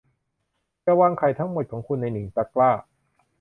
อย่าวางไข่ทั้งหมดของคุณในหนึ่งตะกร้า